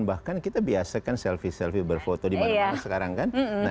bahkan kita biasakan selfie selfie berfoto di mana mana sekarang kan